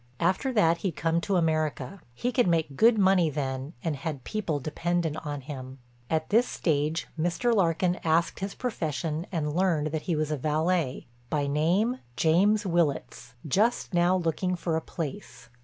After that he'd come to America; he could make good money then and had people dependent on him. At this stage Mr. Larkin asked his profession and learned that he was a valet, by name James Willitts, just now looking for a place.